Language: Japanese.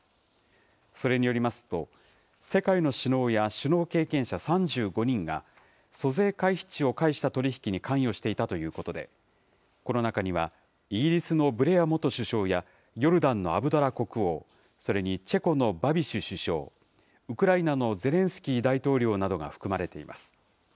それによりますと、世界の首脳や首脳経験者３５人が、租税回避地を介した取り引きに関与していたということで、この中には、イギリスのブレア元首相やヨルダンのアブドラ国王、それにチェコのバビシュ首相、ウクライナのゼレンスキー大統領などが含まれています。